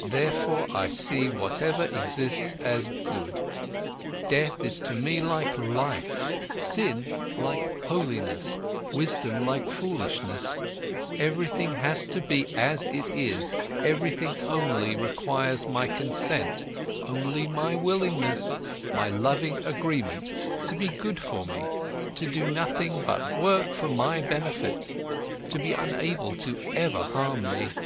Therefore, I see whatever exists as good, death is to me like life, sin like holiness, wisdom like foolishness, everything has to be as it is, everything only requires my consent, only my willingness, my loving agreement, to be good for me, to do nothing but work for my benefit, to be unable to ever harm me.